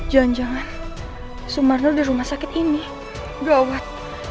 jangan jangan sumarno di rumah sakit ini dirawat